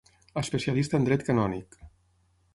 Especialista en dret canònic.